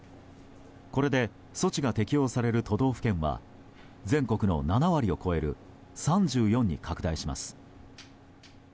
これで措置が適用される都道府県は全国の７割を超える３４に拡大します。